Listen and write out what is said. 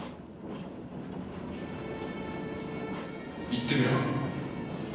言ってみろ。